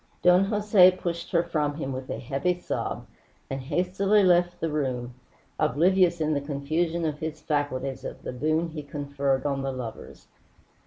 Don Jose pushed her from him with a heavy sob and hastily left the room, oblivious in the confusion of his faculties of the boon he conferred on the lovers.